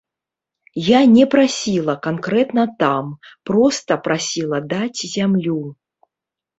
Я не прасіла канкрэтна там, проста прасіла даць зямлю.